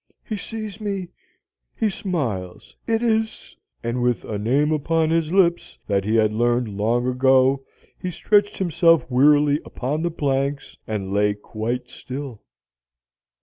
He sees me; he smiles, it is " And with a name upon his lips that he had learned long ago, he stretched himself wearily upon the planks, and lay quite still.